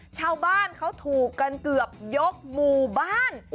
ชาวบ้านเขาถูกกันเกือบยกหมู่บ้าน